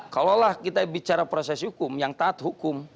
kalaulah kita bicara proses hukum yang taat hukum